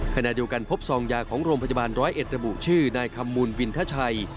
ขณะเดียวกันพบซองยาของโรงพยาบาลร้อยเอ็ดระบุชื่อนายคำมูลวินทชัย